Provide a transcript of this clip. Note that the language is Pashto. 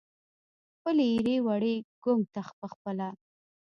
خپلې ایرې وړي ګنګ ته پخپله